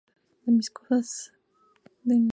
Cuando empezamos la banda ninguno sabía tocar nada.